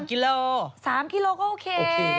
๓พิโลกรัมก็โอเค